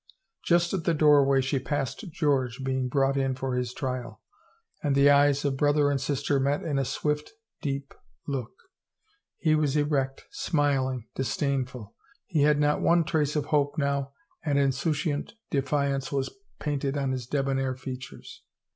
Just at the doorway she passed George being brought in for his trial and the eyes of brother and sister met in a swift, deep look. He was erect, smiling, disdainful. He had not one trace of hope now and an insouciant defiance was painted on his debonair features.